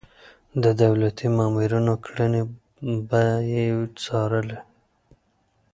د دولتي مامورينو کړنې به يې څارلې.